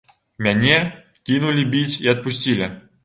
Мяне кінулі біць і адпусцілі.